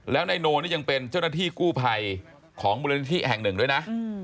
แล้วนายโนนี่ยังเป็นเจ้าหน้าที่กู้ภัยของมูลนิธิแห่งหนึ่งด้วยนะ